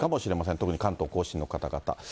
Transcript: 特に関東甲信の方々。